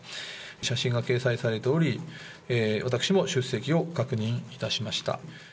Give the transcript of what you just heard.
写真が掲載されており、私も出席を確認いたしました。